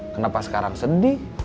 kenapa sekarang sedih